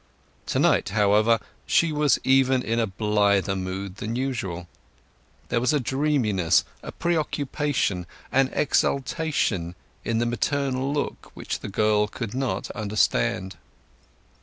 To night, however, she was even in a blither mood than usual. There was a dreaminess, a pre occupation, an exaltation, in the maternal look which the girl could not understand.